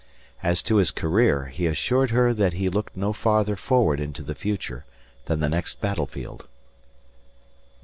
As to his career he assured her that he looked no farther forward into the future than the next battlefield.